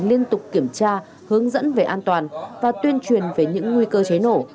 liên tục kiểm tra hướng dẫn về an toàn và tuyên truyền về những nguy cơ cháy nổ